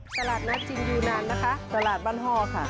ตลาดนัดจริงยูนานนะคะตลาดบ้านฮ่อค่ะ